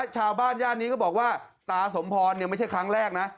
ย่านนี้ก็บอกว่าตาสมพรไม่ใช่ครั้งแรกนะ